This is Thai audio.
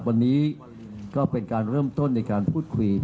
วันนี้ก็เป็นการเริ่มต้นในการพูดคุย